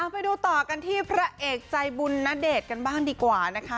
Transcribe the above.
ไปดูต่อกันที่พระเอกใจบุญณเดชน์กันบ้างดีกว่านะคะ